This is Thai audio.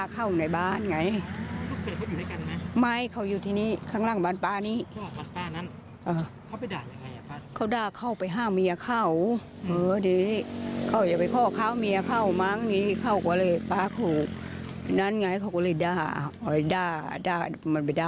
คงจะเป็นแรงนะมั้งป๊าก็ไม่ได้ยินแล้วนะ